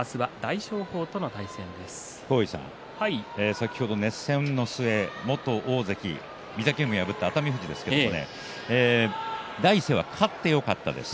先ほど熱戦の末元大関御嶽海を破った熱海富士ですが第一声は勝ってよかったです